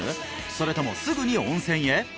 それともすぐに温泉へ？